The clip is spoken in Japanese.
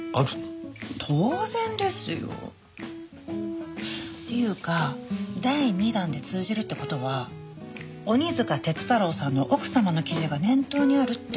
当然ですよ！っていうか第二弾で通じるって事は鬼束鐵太郎さんの奥様の記事が念頭にあるって事ですよね？